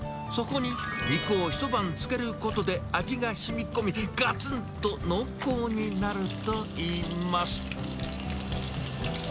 そこに肉を一晩漬けることで、味がしみ込み、がつんと濃厚になるといいます。